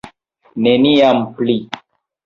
Neniam pli.